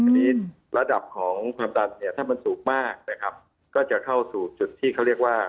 อันนี้ระดับของความดันเนี่ยถ้ามันสูงมากนะครับก็จะเข้าสู่จุดที่เขาเรียกว่า